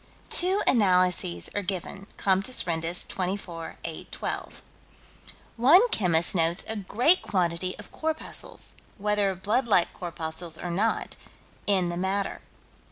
Two analyses are given (Comptes Rendus, 24 812). One chemist notes a great quantity of corpuscles whether blood like corpuscles or not in the matter.